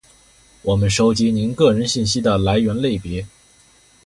我们收集您个人信息的来源类别；